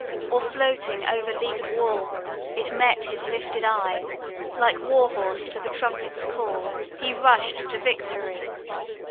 Or floating over leaguer'd wall, It met his lifted eye; Like war horse to the trumpet's call, He rush'd to victory!